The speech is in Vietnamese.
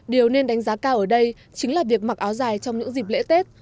điều nên đánh giá cao ở đây chính là việc mặc áo dài trong những dịp lễ tết